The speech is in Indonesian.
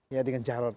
ya dengan jarod